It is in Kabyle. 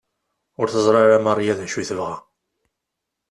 Ur teẓri ara Maria d acu i tebɣa.